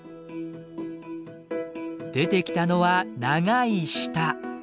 出てきたのは長い舌。